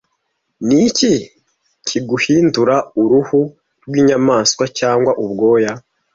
niki kiguhindura uruhu rwinyamaswa cyangwa ubwoya